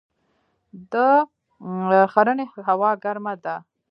د ښرنې هوا ګرمه ده